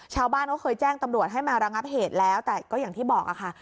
ชาวบ้านเขาเคยแจ้งตำรวจให้มาระงับเหตุแล้วแต่ก็อย่างที่บอกค่ะ